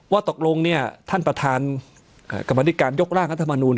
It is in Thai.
ว่าตกลงท่านประธานกรรมนิการยกร่างรัฐมนูล